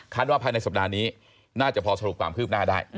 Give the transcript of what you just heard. ว่าภายในสัปดาห์นี้น่าจะพอสรุปความคืบหน้าได้